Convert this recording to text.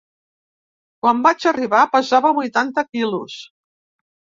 Quan vaig arribar pesava vuitanta quilos.